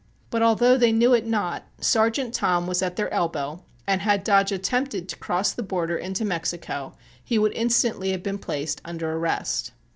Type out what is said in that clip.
But, although they knew it not, Sergeant Tom was at their elbow, and had Dodge attempted to cross the border into Mexico he would instantly have been placed under arrest.